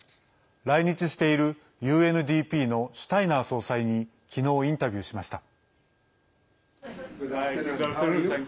来日しているＵＮＤＰのシュタイナー総裁にきのう、インタビューしました。